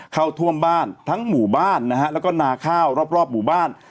เข้าท่วมบ้านทั้งหมู่บ้านนะฮะแล้วก็นาข้าวรอบหมู่บ้าน